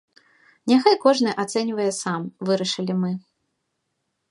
Няхай кожны ацэньвае сам, вырашылі мы.